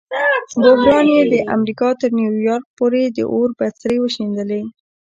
بحران یې د امریکا تر نیویارک پورې د اور بڅري وشیندل.